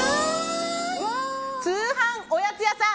通販おやつ屋さん